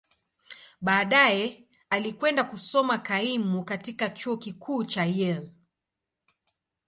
Baadaye, alikwenda kusoma kaimu katika Chuo Kikuu cha Yale.